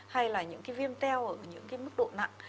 hay là những cái viêm teo ở những cái mức độ nặng